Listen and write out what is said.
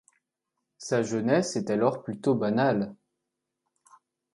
Sa jeunesse est alors plutôt banale.